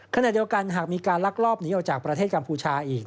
ขณะเดียวกันหากมีการลักลอบหนีออกจากประเทศกัมพูชาอีก